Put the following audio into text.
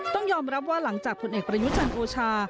ต้องยอมรับว่าหลังจากผลเอกประยุจันทร์โอชา